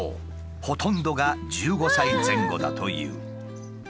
ほとんどが１５歳前後だという。